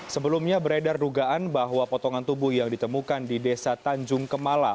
sebelumnya beredar dugaan bahwa potongan tubuh yang ditemukan di desa tanjung kemala